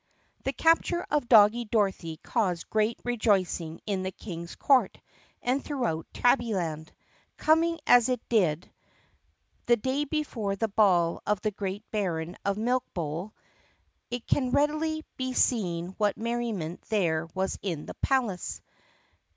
T HE capture of Doggie Dorothy caused great rejoic ing in the King's court and throughout Tabbyland. Coming, as it did, the day before the ball of the great Baron of Milkbowl it can readily be seen what merriment there was in the palace.